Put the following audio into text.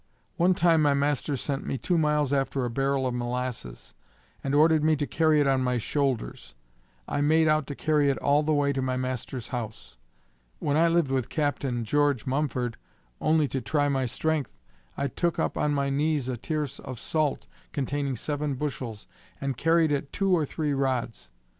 One time my master sent me two miles after a barrel of molasses, and ordered me to carry it on my shoulders. I made out to carry it all the way to my master's house. When I lived with Captain George Mumford, only to try my strength, I took up on my knees a tierce of salt containing seven bushels, and carried it two or three rods.